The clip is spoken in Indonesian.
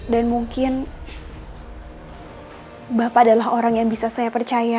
dan mungkin bapak adalah orang yang bisa saya percaya